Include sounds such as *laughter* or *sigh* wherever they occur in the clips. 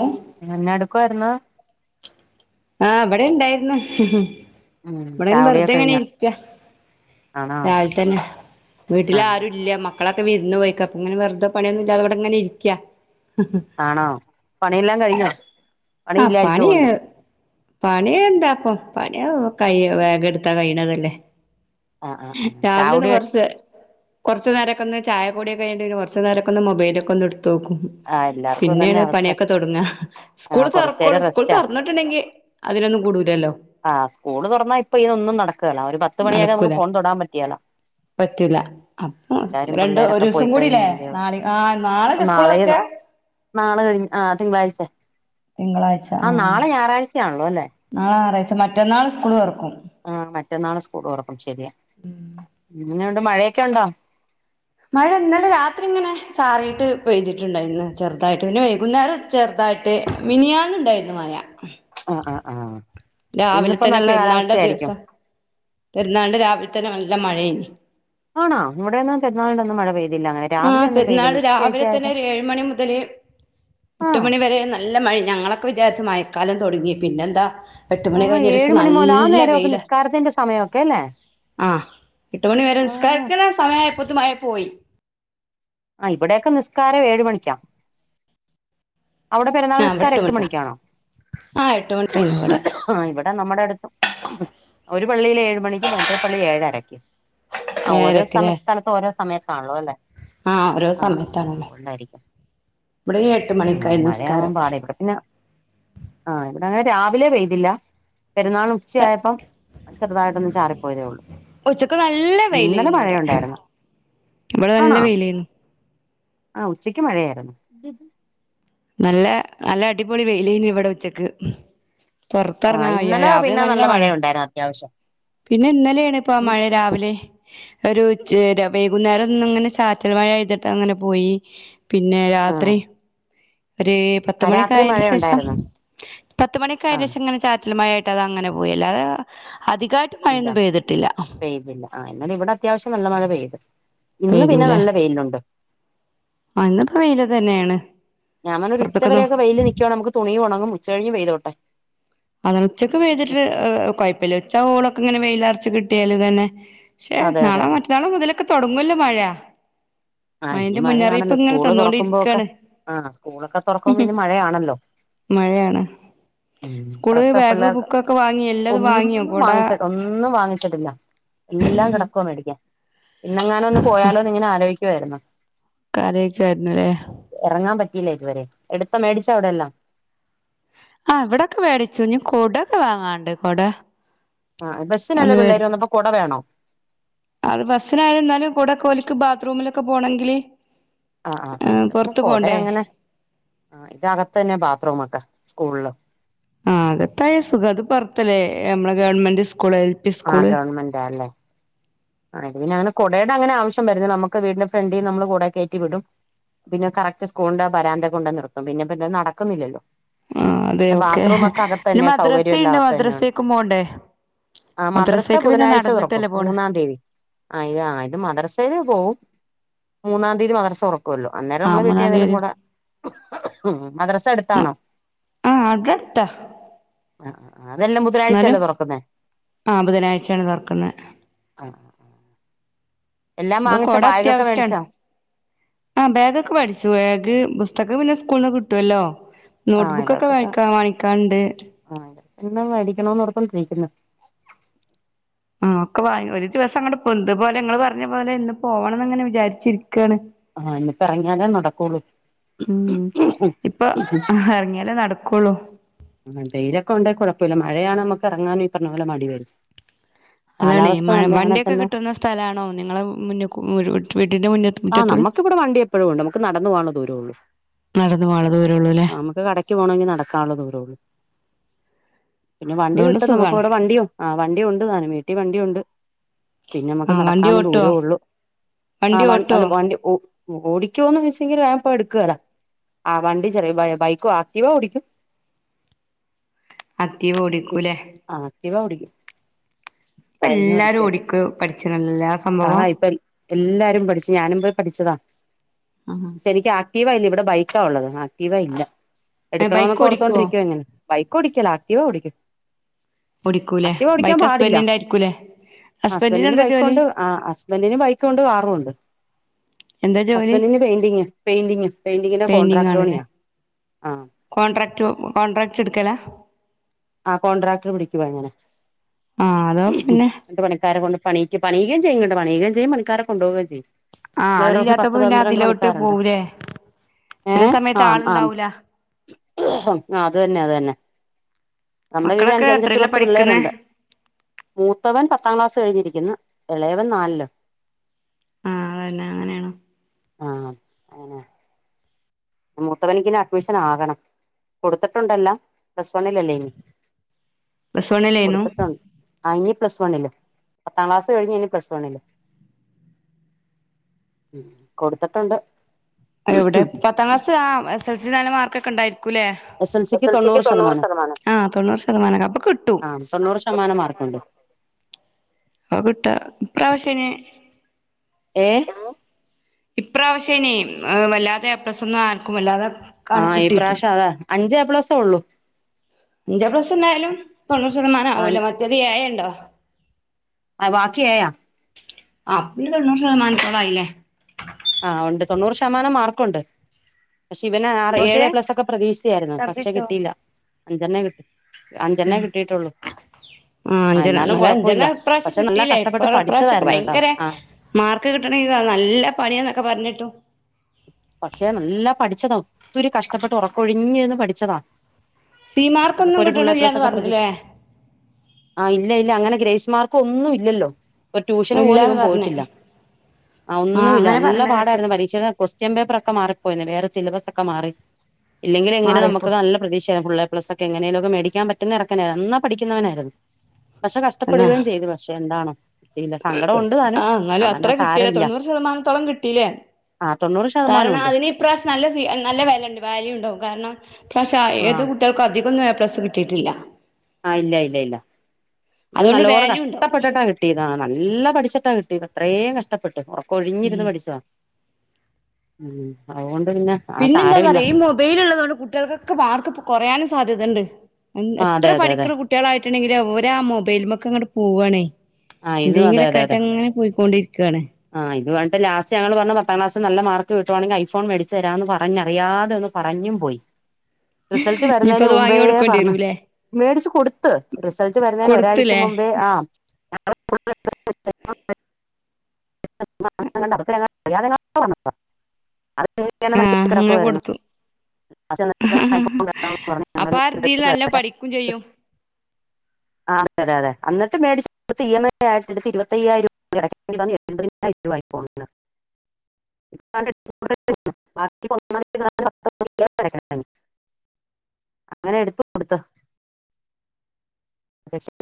ഓ എന്നാ എടുക്കുവായിരുന്നു ആഹ് ഇവിടെ ഇണ്ടായിരുന്നു ഉം ഇവിടെന്ന് വെറുതെ ചായകുടിയൊക്കെ ഇങ്ങനെ കഴിഞ്ഞോ ഇരിക്ക ആണോ രാവിലെ തന്നെ വീട്ടിൽ ആഹ് ആരുല്ല മ മക്കളൊക്കെ വിര്ന്ന് പോയിക്ക അപ്പ ഇങ്ങനെ വെറുത പണിയൊന്നും ഇല്ലാതെവിടെങ്ങനെ ഇരിക്ക. ആണോ പണിയെല്ലാം കഴിഞ്ഞോ പണി ഇല്ലായിരിക്കുവോണ്ട് പണി എന്താപ്പ പണി കൈ വേഗം എടുത്താ കഴിയണതല്ലേ. ആഹ് ആഹ് ആഹ് രാവിലെ ഒന് ചായകുടി കൊറച്ച്. കുറച്ച് നേരൊക്കൊന്ന് ചായ കുടി ഒക്കെ കഴിഞ്ഞ് കുറച്ച് നേരൊക്കൊന്ന് മൊബൈലൊക്കന്ന് ഇട്ത്തോക്കും. ആഹ് എല്ലാർക്കും ഇതന്നെ പിന്നെയാണ് അവസ്ഥ പണിയൊക്കെ തൊടങ്ങ സ്കൂള് ആഹ് കൊറച്ച് തൊറക്കോളൂ നേരം സ്കൂള് റെസ്റ്റാ തുറന്നിട്ടുണ്ടെങ്കി. അതിനൊന്നും കൂടൂലല്ലോ. ആഹ് സ്കൂള് തുറന്നാ ഇപ്പൊ ഇതൊന്നും നടക്കല്ല ഒരു പത്ത് മണിയാകാതെ നമുക്ക് ഫോൺ തൊടാൻ പറ്റിയാലാ. പറ്റില്ല അപ്പ രണ്ട് പിള്ളേരൊക്കെ പോയി ഒരുസം കൂടില്ലേ കഴിഞ്ഞല്ലയോ നാള ആ നാളല്ല സ്കൂള് തുറക്ക. നാളെയും നാളെ കഴിഞ്ഞ് ആ തിങ്കളാഴ്ച ആ നാളെ ഞായറാഴ്ചയാണല്ലോ അല്ലേ. നാള ഞായറാഴ്ച മറ്റന്നാള് സ്കൂൾ തുറക്കും. ആഹ് മറ്റന്നാള് സ്കൂൾ തുറക്കും ശെരിയാ അങ്ങനെയണ്ട് മഴയൊക്കെ ഉണ്ടോ. മഴ ഇന്നലെ രാത്രി ഇങ്ങനെ ചാറിട്ട് പെയ്തിട്ടുണ്ടായിരുന്നു ചെറുതായിട്ട് പിന്നെ വൈകുന്നേരം. ചെറുതായിട്ട് മിനിയാന്നുണ്ടായിരുന്നു മഴ. ആഹ് ആ ആഹ്. രാവിലെ ഇന്നിപ്പോ തന്നെ നല്ല പെരുന്നാളിന്റ കാലാവസ്ഥയായിരിക്കും ദിവസം പെരുന്നാളിന്റ രാവിലെ തന്നെ നല്ല മഴ ഇനി. ആണോ വിടെന്നും പെരുന്നാളിന്റെ അന്ന് മഴ പെയ്തില്ല അങ്ങനെ ആ രാവിലെ ഒന്നും പെരുന്നാൾ പെയ്തില്ല. രാവിലെ തന്നെ ഉച്ചയ്ക്ക്യതെ ഒരു ഏഴ് മണി മുതൽ എട്ട് മണിവരെ നല്ല മഴ ഞങ്ങളൊക്കെ വിചാരിച്ച് മഴക്കാലം തുടങ്ങി പിന്നെന്താ എട്ട് മണി ആഹ് കഴിഞ്ഞരിച്ച ഏഴ് മണി മുതൽ ആ നല്ല നേരമൊക്കെ വെയില നിസ്കാരത്തിന്റെ സമയമൊക്കെ അല്ലേ ആഹ് എട്ട് മണി വരെ ആഹ് നിസ്കാരിക്കുന്ന സമയയപ്പത്ത മഴ പോയി ആഹ് ഇവിടെയൊക്കെ നിസ്കാരം ഏഴ് മണിക്കാം അവിടെ പെരന്നാൾ ആ ഇവിടെ നസ്കാരം എട്ട് മണിക്കാ മണിക്കാണോ ആ എട്ട് മണിക്കാണ് ഇവിടെ ആഹ് ഇവിടെ നമ്മുടെ അടുത്തും ഒരു പള്ളിയിൽ ഏഴ് മണിക്ക് മറ്റേ പള്ളി ഏഴരക്ക ആഹ് ഓരോ സമയ ഏഴരക്കിലെ സ്ഥലത്ത് ഓരോ സമയത്താണല്ലോ അല്ലേ ആ ഓരോ ആഹ് സമയത്താണല്ലോ ഉണ്ടായിരിക്കും ഇവിടെ ആഹ് മണിക്കായി മഴയാവാൻ നിസ്കാരം പാട ഇവിടെ പിന്നെ ആഹ് ഇവിടെങ്ങനെ രാവിലെ പെയ്തില്ല പെരുന്നാൾ ഉച്ചയപ്പം ചെറുതായിട്ടൊന്ന് ചാറിപ്പോയതേ ഉള്ളു ഉച്ചക്ക് നല്ല ഇന്നലെ വെയിലായിരുന്നു ഇവിടെ പഴയ ഉണ്ടായിന്ന ഇവിടെ നല്ല വെയിലേന്നു ആഹ് ഉച്ചയ്ക്ക് മഴയായിരുന്നു ബി നല്ല നല്ല അടിപൊളി വെയിലെനി ഇവിടെ വച്ചക്ക് ആഹ് പുറത്ത്റങ്ങാൻ കയ്യ ഇന്നലെ രാവിലെ പിന്നെ നല്ല മഴ മഴയുണ്ടായിരുന്നു അത്യാവശ്യം പിന്നെ ഇന്നലെയാണ് ഇപ്പൊ ആ ഉം മഴ രാവിലെ ഒരു വൈകുന്നേരം ഒന്നും ഇങ്ങനെ ചാറ്റൽ മഴ ആഴ്തിട്ട് അങ്ങനെ പോയി പിന്നെ ആഹ് രാത്രി ഒരു പത്ത ആഹ് രാത്രി മണിക്കായതിനു ശേഷം മഴയുണ്ടായിരുന്നോ പത്ത മണിക്കായു ആഹ് ശേഷം ഇങ്ങനെ ചാറ്റലമായട്ട് അങ്ങനെ പോയില്ല അ അധിക ഇല്ല പെയ്തില്ല ആഹ് എന്നാൽ ഇവിടെ അത്യാവശ്യം നല്ല മഴ പെയ്ത് ഇന്ന് പിന്നെ തുലേ നല്ല വെയിലുണ്ട് എന്നപ്പോ വെയില തന്നെണ് ഞാൻരു ഉച്ചവരെക്കെയിൽ നൽക്കുവണ നമക്ക് തുണിയും ഉണങ്ങും ഉച്ച കഴിഞ് വെയ്തോട്ടെ അതിനന ഉച്ചക്കെ വ്തിട്ട് കുഴപ്പില്ലെച്ചാ ഹോളൊക്കെ ഇങ്ങനെ വെയിലർച്ച കിട്ടിയാല് തന്നെ പക്ഷേ അതെ അതെ നാളെ അതെ മറ്റന്നാളെ മുതലൊക്കെ തുടങ്ങുവല്ലോ മഴ ആഹ് ഇനി മഴന്റെ മുന്നറിയിപ്പ് മഴയാണല്ലോ ഇങ്ങനെ സ്കൂള് തുറക്കുമ്പോക്കെ തന്നോണ്ടിരിക്കാണ് ആഹ് സ്കൂളൊക്കെ തുറക്കുമ്പോ ഇനി മഴയാണല്ലോ മഴയാണ് ഉം സ്കൂള് ഡ്രസ്സ് ബാഗ് പിള്ളേർക്ക് ബുക്കൊക്കെ വാങ്ങിയ എല്ലാതും വാങ്ങിയോ ഒന്നും കൊട വാങ്ങിച്ച ഒന്നും വാങ്ങിച്ചിട്ടില്ല എല്ലാം കിടക്ക മേടിക്ക ഇന്നങ്ങനെ ഒന്ന് പോയാലോ നിങ്ങനെ ആലോക്ക ക്കേര്ന്നൊ കറിവെക്കേര്ന്ന് ലേ? എറങ്ങാൻ പറ്റില്ല ഇത് വരെ. എടുത്താ മേടിച്ച അടെ എല്ലാം ആഹ് വടൊക്കെ മേടിച്ചു. ഞ്ഞ് കുടെക്കെ വാങ്ങാണ്ട്. കൊട ആഹ് ബസ്സിനല്ലെ ഒന്ന് മേടി പിള്ളേര് വന്നപ്പോ കൊട വേണോ? അത് ബസ്സിനാണ്ന്നാലും കുടക്കെ ഓല്ക്ക് ബാത്റൂമിലൊക്കെ പോണങ്കില് ആഹ് ആഹ് ആഹ് അയ്ക്കോട്ടെ പ്പം കൊടെ അങ്ങനെ ആഹ് ഇത് അകത്തന്നെ ബാത്റൂമൊക്കെ സ്കൂള്ള് ആഹ് അകത്തായ സുഖാ. ത് പൊർത്തല്ലേ. അമ്മളെ government school L P school. മെന്റാല്ലേ. ആഹ് ഇത് പിന്നെ അങ്ങനെ കൊടേടെ അങ്ങനെ ആവശ്യം വര്ന്ന്. നമുക്ക് വീട്ന്റെ ഫ്രണ്ടീന്ന് നമ്മള് കൊട കയറ്റി വിടും. പിന്നെ കറക്റ്റ് സ്കൂൾന്റെ വരാന്ത കൊണ്ട് നിർത്തും. പിന്നെ പിന്നെ നടക്കുന്നില്ലല്ലോ. ആഹ് അതെ പിന്നെ ഓക്കെ ബാത്റൂമൊക്കെ അകത്ത പിന്നെ ന്നെ സൗകര്യം എല്ലാം മദ്രസയുണ്ട് അകത്ത തന്നെയാ മദ്രസേക്കും പോണ്ടേ ആഹ് മദ്രസ മദ്രസേക്ക് പിന്നെ ബുധനാഴ്ച തുറക്കും. നടന്നിട്ടല്ലേ പോണ് മൂന്നാം തിയതി. ആഹ് ഇത് ആഹ് ഇത് മദ്രസേല് പോവും. മൂന്നാം തീയതി മദ്രസൊർ ക്കൊല്ലോ. അന്നേരം ആഹ് മ്മള് വീട്ടി മൂന്നാം ഏതോലും തീയതി കൊട ഉം മദ്രസ അട്ത്താണോ? ആഹ് അതട്ത്താ ആഹ് ആഹ് അതെല്ലാം ന്നാലും ബുധനാഴ്ചയല്ലേ തുറക്കുന്നേ ആഹ് ബുധനാഴ്ച്ചേണ് തൊർക്കുന്നേ ആഹ് എല്ലാം പ്പൊ വാങ്ങിച്ച കൊട ബാഗൊക്കെ അത്യാവശ്യാണ് മേടിച്ചാ ആഹ് ബാഗ് ഒക്കെ വേടിച്ചു. ബാഗ്, പുസ്തകം പിന്നെ സ്കൂൾന്ന് കിട്ടുവല്ലോ നോട്ട് ആഹ് ബുക്കൊക്കെ വാ *unintelligible* ഇവർക്കൊക്കെ ക്കാ വാണിക്കാൻണ്ട്. ആഹ് ക്ക് ന്ന് വേടിക്കണോന്ന് ഒറപ്പ് *unintelligible* ന്ന് ആഹ് ഒക്കെ വാങ്ങ് ഒര് ദിവസങ്ങട്ട് പൊന്ത. ത്‌പോലെ ങ്ങള് പർഞ്ഞ പോലെ ഇന്ന് പോകണംന്നങ്ങനെ വിചാരിച്ചിരിക്കാണ്. ആഹ് ഇന്നിപ്പെറങ്ങിയാലേ നടക്കോളൂ. ഉം ഇപ്പൊ എറങ്ങിയാലേ നട കൊള്ളൂ ടെയ്ലിയൊക്കെ ഒണ്ടേ കൊഴപ്പല്ല. മഴയാണെ നമുക്ക് എറങ്ങാനും ഈ പർഞ്ഞ പോലെ മടി വരും. അതാണേ. കാലാവസ്ഥ മഴ നല്ലയാണെ വണ്ടിയൊക്കെ തന്നെ കിട്ടുന്ന സ്ഥലാണോ നിങ്ങള് മുന്ന് ക്കൂ വീട്ൻ്റെ മുന്നത്ത് മുറ്റത്ത്? പ്പഴുണ്ട്. നമുക്ക് നടന്ന് പോവാൻ ള്ളെ ദൂരൊള്ളു നടന്ന് പോവാൻള്ള ദൂരേള്ളു ലെ. ക്ക് പോണൊങ്കി നടക്കാൻള്ള ദൂരോള്ളൂ. പിന്നെ വണ്ടി അതുകൊണ്ട് കിട്ടും നമുക്ക് സുഖാണ് വടെ വണ്ടി ആഹ് വണ്ടി ഉണ്ട് താനും. വീട്ടി വണ്ടി ഉണ്ട്. പിന്നെ അമക്ക് ആഹ് വണ്ടി നടക്കാൻള്ളെ ദൂരേ ഓട്ടുവോ ഒള്ളു. വണ്ടി ആഹ് വന്‍ ഓട്ടുവോ അല്ല വണ്ടി ഓ ഓടിക്കുവോന്ന് ചോയിച്ചെങ്കില് ഞാൻപ്പൊ എട്ക്കേല. ആഹ് വണ്ടി ചെറിയ ബയ ബൈക്കൊ ആറ്റീവ ഓടിക്കും. ആക്ടീവ ഓടിക്കൂലെ ആഹ് ആക്ടീവ ഓടിക്കും. പ്പ ഡ്രൈവിംഗ് എല്ലാരും പഠിച്ചയായിരുന്നു ഓടിക്ക പഠിച്ചീണല്ലല്ലേ ആ സംഭവം ആഹ് ഇപ്പൊ എല്ലാരും പഠിച്ച്. ഞാനും പോയി പഠിച്ചതാ ആഹ് പക്ഷെ എനിക്ക് ആക്ടീവ ഇല്യ. ഇവടെ ബൈക്കാ ഒള്ളത്. ആക്ടീവ ഇല്ല. ബൈക്ക് എട്ക്കണോന്നൊക്കെ ഓടിക്കുവോ ഓര്‍ത്തോണ്ടിരി ഉം. ബൈക്ക് ഓടിക്കല. ആക്ടീവ ഓടിക്കും ഓടിക്കൂലെ. Activa bike ഹസ്ബെൻഡിൻ്റെ ആയിരിക്കുലെ. ഹസ്ബെൻ്റിൻ്റെ ബൈക്കുണ്ട് ആഹ് ഹസ്ബെൻ ൻ്റിന് ബൈക്കൂണ്ട്, കാറൂണ്ട്. എന്താ ജോലി ഹസ്ബന്റിന് പെയിന്റിങ്, പെയിന്റിങ്, പെയിന്റിങ്ങിന്റെ പെയിന്റിങ് കോൺട്രാക്ട് ആണല്ലേ പണിയാ. ആ ഹ് കോൺട്രാക്ട് കോൺട്രാക്ട് ട്ക്കലാ ആഹ് കോട്രാക്റ്റ്‌ പിടിക്കുവ അങ്ങനെ ആ അതോ പിന്നെ എന്നിട്ട് പണിക്കാരെ കൊണ്ട് പണിക്ക് പണിയുകയും ചെയ്യും കേട്ടോ പണിയുകയും ചെയ്യും പണിക്കാരെ കൊണ്ട്‌ പോവുകയും ചെയ്യും ആ *unintelligible* പത്ത് ആളില്ലാത്തപ്പോ പിന്നെ പന്ത്രണ്ട് അതിലോട്ട് പണിക്കാരുണ്ട് പോവൂലേ ചില ഏഹ് സമയത്ത് ആഹ് ആഹ് ആളുണ്ടാവൂല ആഹ് അത് തന്നെ അത് തന്നെ നമ്മുടെ കീഴിൽ മക്കളൊക്കെ അഞ്ചഞ്ചെട്ട് എത്രയിലാ പത്ത് പഠിക്കുന്നേ പിള്ളേരുണ്ട് മൂത്തവൻ പത്താം ക്ലാസ് കഴിഞ്ഞിരിക്കുന്നു ഇളയവൻ നാലില് ആഹ് അതുതന്നെ അങ്ങനെയാണോ ആഹ് അങ്ങനെ മൂത്തവനിക്കിനി അഡ്മിഷൻ ആകണം കൊടുത്തിട്ടുണ്ട് എല്ലാം പ്ലസ് വണ്ണിലല്ലേ ഇനി പ്ലസ് വണ്ണിലായിരുന്നു കൊടുത്തിട്ടുണ്ട് ആഹ് ഇനി പ്ലസ് വണ്ണില് പത്താം ക്ലാസ് കഴിഞ്ഞ് ഇനി പ്ലസ് വണ്ണില് ഉം കൊടുത്തിട്ടുണ്ട് എവിടെ പത്താം ക്ലാസ് ആഹ് എസ് എല്‍ സി നല്ല മാർക്ക് ഒക്കെ ഉണ്ടായിരിക്കു അല്ലേ എസ് എസ് എൽ സിക്ക് തൊണ്ണൂറ് ശതമാനം ആഹ് തൊണ്ണൂറ് ശതമാനം അപ്പൊ കിട്ടും ആഹ് തൊണ്ണൂറ് ശതമാനം മാർക്കുണ്ട് അത് കിട്ട ഇപ്പ്രാവശ്യ ഇനി ഏഹ് ഇപ്പ്രാവശ്യനി വല്ലാതെ എ പ്ലസ് ഒന്നും ആർക്കും അല്ലാതെ ആഹ് ഈ പ്രാവശ്യം അതാ അഞ്ച് ഏ പ്ലസ് ഒള്ളു അഞ്ച് ഏപ്ലസ് ഉണ്ടായാലും തൊണ്ണൂറ് ശതമാനം ആവുല്ലോ ആഹ് മറ്റത് ഏ ഉണ്ടോ ആഹ്‌ ബാക്കി ഏയ ആഹ് അപ്പ തൊണ്ണൂറ് ശതമാനത്തോളം ആയില്ലേ ആഹ് ഉണ്ട് തൊണ്ണൂറ് ശതമാനം മാർക്കുണ്ട് പക്ഷെ ഇവന് ആറ് ഏഴ് പോട്ടെ ഏ പ്ലസ് ഒക്കെ പ്രതീക്ഷിച്ചയായിരുന്നു പക്ഷെ ഛർദ്ദിച്ചോ കിട്ടില്ല അഞ്ചെണ്ണം കിട്ടി അഞ്ചണ്ണേ കിട്ടിയിട്ടുള്ളു ആഹ് അഞ്ചണ്ണം എന്നാലും അഞ്ചണ്ണം ഇപ്രാവശ്യം പക്ഷെ നല്ല കിട്ടിയില്ലേ കഷ്ടപ്പെട്ട് ഇപ്പൊ ഇപ്രാവശ്യ ഒക്കെ പഠിച്ചതായിരുന്നു കേട്ടോ ഭയങ്കര ആ മാർക്ക് കിട്ടണെങ്കിൽ നല്ല പണിയ എന്നൊക്കെ പറഞ്ഞിട്ടു - പക്ഷേ നല്ല പഠിച്ചതാ ഒത്തിരി കഷ്ടപ്പെട്ട് ഒറക്കൊഴിഞ്ഞിരുന്ന് പഠിച്ചതാ സി ഇതിപ്പോ മാർക്കൊന്നും ഒരു ഫുൾ എ കിട്ടണില്ലാന്ന് പ്ലസ്ഒക്കെ പ്രതീക്ഷി പറഞ്ഞുല്ലേ ആഹ് ഇല്ല ഇല്ല അങ്ങനെ ഗ്രേസ് മാർക്കും ഒന്നും ഇല്ലല്ലോ? ഇപ്പൊ ട്യൂഷന് പോലും ഇല്ലാന്ന് ഇവൻ പറഞ്ഞ് പോയിട്ടില്ല ആഹ് ഒന്നും ഇല്ല അങ്ങനെ പറയണ കേട്ടു പരീക്ഷയുടെ കൊസ്റ്റ്യൻപേപ്പർ ഒക്കെ മാറിപ്പോയിന്ന് വേറെ സിലബസ് ഒക്കെ മാറി ഇല്ലെങ്കിൽ എങ്ങനെ നമുക്ക് മാറിയപ്പോ നല്ല പ്രതീക്ഷയരുന്നു ഫുള്ള് എപ്ലസ് ഒക്കെ എങ്ങനെലുംക്കെ മേടിക്കാൻ പറ്റുന്ന ചെറുക്കനായി നല്ലോ പഠിക്കുന്നവനായിരുന്നു. പക്ഷെ തന്നെ കഷ്ടപ്പെടുകയും ചെയ്തു പക്ഷെ എന്താണ സങ്കടം ഉണ്ട് താനും ആഹ് എന്നാലും അതങ്ങ് അത്ര സാരമില്ല. *unintelligible* ശതമാനത്തോളം കിട്ടീല്ലേ? ആ തൊണ്ണൂറ് ശതമാനം കാരണം ഉണ്ട് അതിന് ഇപ്രാവശ്യം നല്ല സ നല്ല വേല്യയുണ്ട് വേല്യ ഉണ്ടാവും കാരണം പക്ഷേ ആ ഏത് കുട്ടിൾക്കും അധികൊന്നും എപ്ലസ്സ് കിട്ടിയിട്ടില്ല ആഹ് ഇല്ല ഇല്ല ഇല്ല ഇതും അതുകൊണ്ട് നല്ലപോലെ വാല്യൂ ഉണ്ടാവും കഷ്ടപ്പെട്ടിട്ടാ കിട്ട കിട്ടിയതാണ് നല്ല പഠിച്ചിട്ടാ കിട്ടിയത് അത്രയും കഷ്ടപ്പെട്ട് ഉറക്കം ഒഴിഞ്ഞിരുന്ന് ഉം പഠിച്ചതാ ഉം *unintelligible* പിന്നെ ആ പിന്നെ സാരമില്ല എന്താന്നറിയൊ ഈ മൊബൈല് ഉള്ളത് കൊണ്ട് കുട്ടികൾക്കൊക്കെ മാർക്ക് കൊറയാനും സാധ്യതുണ്ട് ആ എത്ര അതെ അതെ അതെ പഠിക്കണ കുട്ടികളായിട്ടുണ്ടെങ്കില് ഓര്ആ മൊബൈലുമൊക്കെ അങ്ങോ പോവണേ ആ എന്തെങ്കിലുംക്കെ ആയിട്ട് അങ്ങനെ പോയിക്കൊണ്ടിരിക്കുയാണ്. ആഹ് ഇത് ലാസ്റ്റ് ഞങ്ങള് പറഞ്ഞ പത്താം ക്ലാസിൽ നല്ല മാർക്ക് കിട്ടുവാണെങ്കിൽ ഐഫോ മേടിച്ച് തരാന്ന് പറഞ്ഞറിയതെ ഒന്ന് പറഞ്ഞും പോയി റിസൾട്ട് ഇനിയിപ്പ വരുന്നതിന് അത് വാങ്ങി മുമ്പേ കൊടുക്കേണ്ടി പറഞ്ഞു വരൂല്ലേ മേടിച്ച് കൊടുത്ത് റിസൾട്ട് വരുന്നേന് ഒരാഴ്ച കൊടുത്തുല്ലേ മുമ്പേ ആഹ് *inaudible* അത് *unintelligible* ആഹ് അങ്ങനെ കിടക്കുവായിരുന്നു. കൊടുത്തു അപ്പൊ ആ പറഞ രീതിൽ നല്ല പഠിക്കും ചെയ്യും *unintelligible* ആ അതെതെ അതെ എന്നിട്ട് മേടിച്ചടുത്ത് ഇ എം ഐ ആയിട്ട് ഇരുപത്തയ്യായിം ര അമ്പതിനായിരം രൂപ ആയി ഇപ്പൊ വന്നേ *inaudible* അങ്ങനെ എടുത്തു കൊടുത്ത അ *unintelligible*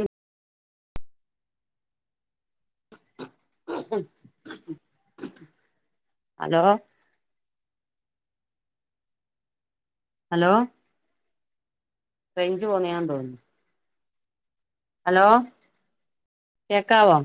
ഹലോ ഹലോ റൈഞ്ച് പോവുന്നെയാൻ തോന്നുന്നു. ഹലോ കേക്കാവോ?